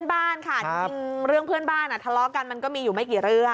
บ้านค่ะจริงเรื่องเพื่อนบ้านทะเลาะกันมันก็มีอยู่ไม่กี่เรื่อง